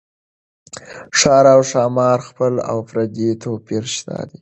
ښار او ښامار خپل او پردي توپير شته دي